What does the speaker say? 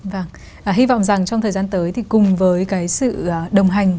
vâng hy vọng rằng trong thời gian tới thì cùng với cái sự đồng hành